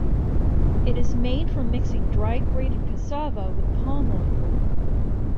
It is made from mixing dried grated cassava with palmoil.